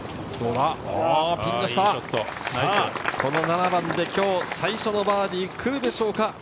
ピンの下、この７番で今日最初のバーディー来るでしょうか。